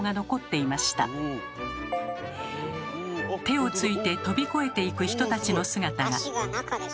手をついてとび越えていく人たちの姿が。